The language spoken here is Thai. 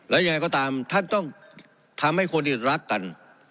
และยังไงก็ตามท่านต้องทำให้คนอื่นรักกัน